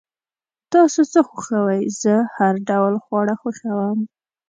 تاسو څه خوښوئ؟ زه هر ډوله خواړه خوښوم